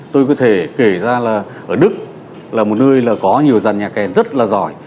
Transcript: tôi có thể kể ra là ở đức là một nơi có nhiều dàn nhạc kèn rất là giỏi